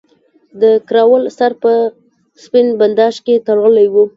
د کراول سر په سپین بنداژ کې تړلی وو.